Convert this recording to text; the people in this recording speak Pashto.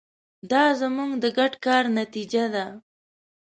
دا زموږ د ګډ کار نتیجه ده.